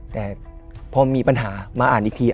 แต่พอมีปัญหามาอ่านอีกที